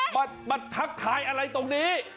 มาทักทายอะไรตรงนี้